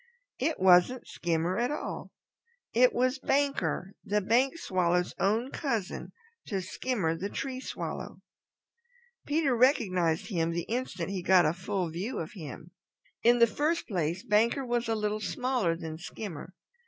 It wasn't Skimmer at all. It was Banker the Bank Swallow, own cousin to Skimmer the Tree Swallow. Peter recognized him the instant he got a full view of him. In the first place Banker was a little smaller than Skimmer.